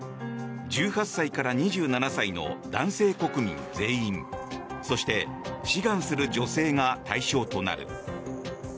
１８歳から２７歳の男性国民全員そして志願する女性が対象となる。